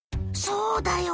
そうだよ。